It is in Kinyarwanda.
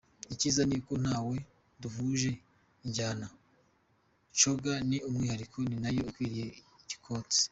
Icyiza ni uko ntawe duhuje injyana, ‘Coga’ ni umwihariko ni nayo ikwiriye igikosi”.